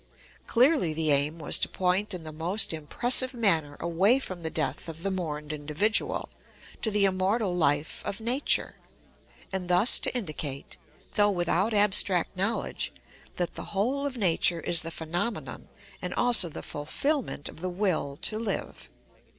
Clearly the aim was to point in the most impressive manner away from the death of the mourned individual to the immortal life of nature, and thus to indicate, though without abstract knowledge, that the whole of nature is the phenomenon and also the fulfilment of the will to live.